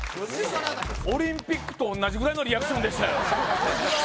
オリンピックと同じぐらいのリアクションでしたよ